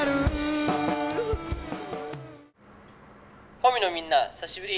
「保見のみんな久しぶり。